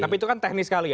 tapi itu kan teknis kali ya